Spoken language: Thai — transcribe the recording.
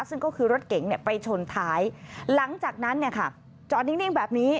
ซึ่งก็คือรถเก๋งไปชนท้ายหลังจากนั้นเนี่ยค่ะจอดนิ่งแบบนี้